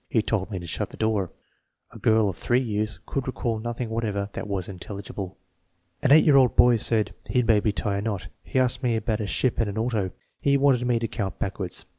He told me to shut the door." A girl of 3 years could recall nothing whatever that was intelligible. AJI 8 year old boy said: " He made me tie a knot. He asked me about a ship and an auto. He wanted me to count backwards.